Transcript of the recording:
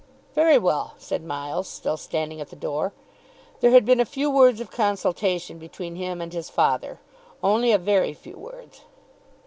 "Very well," said Miles, still standing at the door. There had been a few words of consultation between him and his father, only a very few words.